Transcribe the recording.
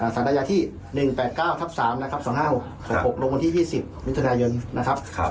สัญญาที่๑๘๙ทับ๓นะครับ๒๕๖๖ลงวันที่๒๐มิถุนายนนะครับ